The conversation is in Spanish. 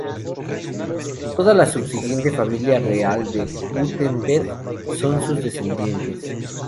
Toda la subsiguiente familia real de Wurtemberg son sus descendientes.